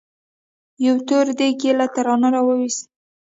يو تور دېګ يې له تناره راوېست.